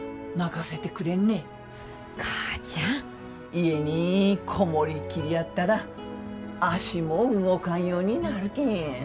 家に籠もりきりやったら足も動かんようになるけん。